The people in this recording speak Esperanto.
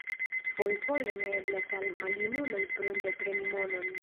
Fojfoje ne eblas al maljunuloj prunte preni monon.